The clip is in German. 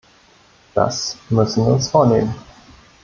Das müssen wir uns vornehmen.